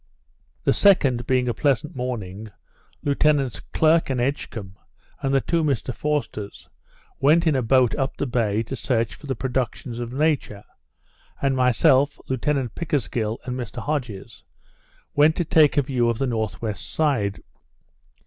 The 2d, being a pleasant morning, Lieutenants Clerke and Edgecumbe, and the two Mr Forsters, went in a boat up the bay to search for the productions of nature; and myself, Lieutenant Pickersgill, and Mr Hodges, went to take a view of the N.W. side.